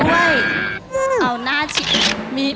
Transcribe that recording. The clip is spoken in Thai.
แม่ใจ